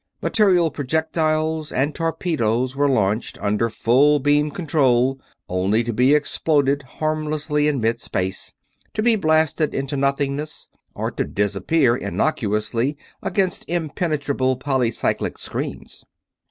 Material projectiles and torpedoes were launched under full beam control; only to be exploded harmlessly in mid space, to be blasted into nothingness, or to disappear innocuously against impenetrable polycyclic screens.